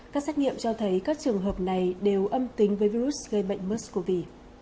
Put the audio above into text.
các xét nghiệm cho thấy các trường hợp này đều âm tính với virus gây bệnh muscov